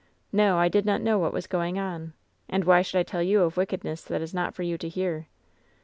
No, I did not know what was going on. And why should I tell you of wick edness that is not for you to hear